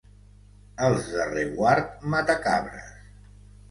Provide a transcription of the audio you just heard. Els de Reguard, matacabres.